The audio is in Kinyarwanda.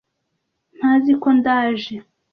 Ntazi ko ndaje.